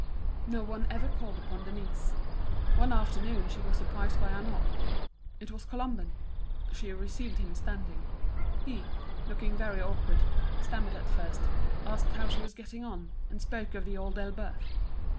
No one ever called upon Denise. One afternoon she was surprised by a knock. It was Colomban. She received him standing. He, looking very awkward, stammered at first, asked how she was getting on, and spoke of The Old Elbeuf.